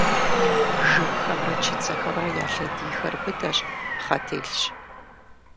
Жыгхэмрэ чыцэхэмрэ я лъэдийхэр быдэщ, пхъэ телъщ.